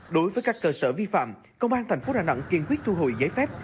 đối với các cơ sở vi phạm công an thành phố đà nẵng kiên quyết thu hồi giấy phép